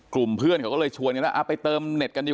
กลุ่มเพื่อนเขาก็เลยชวนเอาไปเติมและกันอยู่สิ